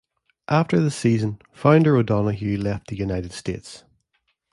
After the season founder O'Donoghue left the United States.